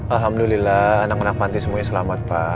alhamdulillah anak anak panti semuanya selamat pak